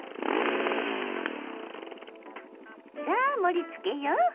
さあ盛りつけよう！